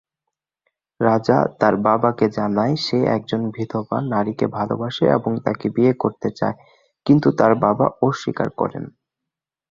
রাজা তার বাবাকে জানায় সে একজন বিধবা নারীকে ভালোবাসে এবং তাকে বিয়ে করতে চায়, কিন্তু তার বাবা অস্বীকার করে।